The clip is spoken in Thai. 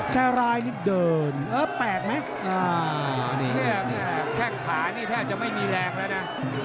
แค่รายนิดเดินเออแปลกไหมอ่านี่แหละนี่แหละแค่ขานี่แทบจะไม่มีแรงแล้วนะ